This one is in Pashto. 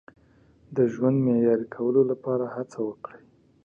د ژوند معیاري کولو لپاره هڅه وکړئ.